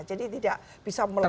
jadi tidak bisa melompat